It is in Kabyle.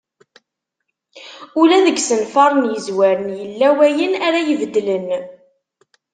Ula deg isenfaren yezwaren yella wayen ara ibeddlen.